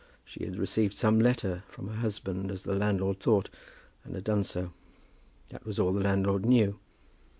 She had received some letter, from her husband as the landlord thought, and had done so. That was all the landlord knew.